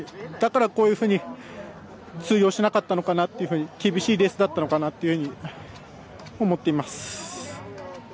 だから、こういうふうに通用しなかったのかなと厳しいレースだったのかなというふうに思っています。